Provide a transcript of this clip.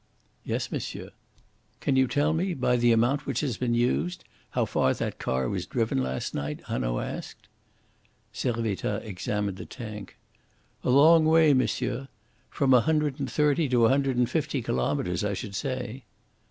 "Yes, monsieur." "Can you tell me, by the amount which has been used, how far that car was driven last night?" Hanaud asked. Servettaz examined the tank. "A long way, monsieur. From a hundred and thirty to a hundred and fifty kilometres, I should say."